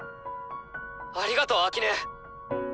ありがとう秋音。